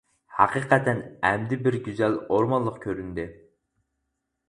ھەقىقەتەن ئەمدە بىر گۈزەل ئورمانلىق كۆرۈندى.